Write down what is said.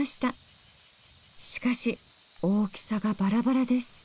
しかし大きさがバラバラです。